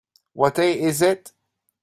What day is it?